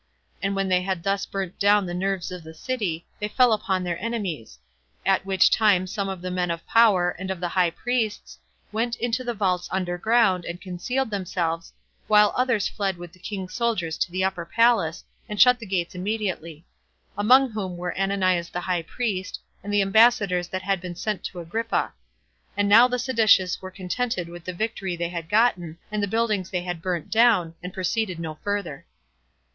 And when they had thus burnt down the nerves of the city, they fell upon their enemies; at which time some of the men of power, and of the high priests, went into the vaults under ground, and concealed themselves, while others fled with the king's soldiers to the upper palace, and shut the gates immediately; among whom were Ananias the high priest, and the ambassadors that had been sent to Agrippa. And now the seditious were contented with the victory they had gotten, and the buildings they had burnt down, and proceeded no further.